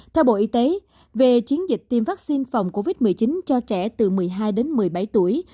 theo bộ y tế về chiến dịch tiêm vaccine phòng covid một mươi chín cho trẻ từ một mươi hai đến một mươi bảy tuổi